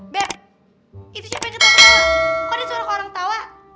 beb itu siapa yang ketawa kok ada suara orang tawa